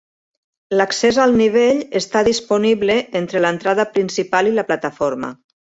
L'accés al nivell està disponible entre l'entrada principal i la plataforma.